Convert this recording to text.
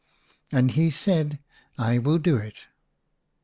And he said, * I will do it.'